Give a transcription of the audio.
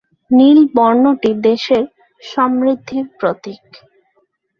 নীল বর্ণটি দেশের সমৃদ্ধির প্রতীক।